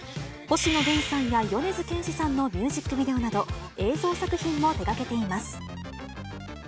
星野源さんや米津玄師さんのミュージックビデオなど、映像作品も手がけています。